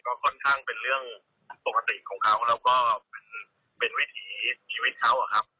ก็ค่อนข้างเป็นเรื่องปกติของเขาแล้วก็เป็นวิถีชีวิตเขาอะครับ